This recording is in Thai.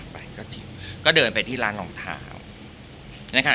ไปก็เดินไปที่ร้านรองเท้า